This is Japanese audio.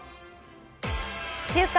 「週刊！